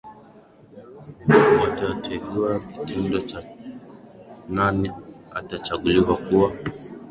watategua kitendo cha nani atachaguliwa kuwa